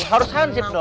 harus hansip dong